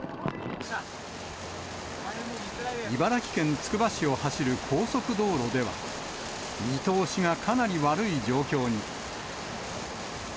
茨城県つくば市を走る高速道路では、見通しがかなり悪い状況に。